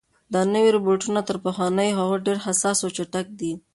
دا نوي روبوټونه تر پخوانیو هغو ډېر حساس او چټک دي.